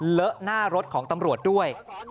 เลอะหน้ารถของตำรวจด้วย